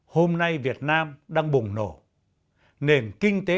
hôm nay việt nam đang bùng nổ nền kinh tế